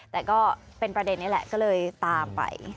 แต่ก็เป็นประเด็นนี้แหละก็เลยตามไป